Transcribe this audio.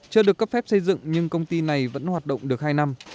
chưa được cấp phép xây dựng nhưng công ty này vẫn hoạt động được hai năm